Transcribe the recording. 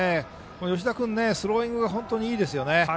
吉田君、スローイングが本当にいいですよね。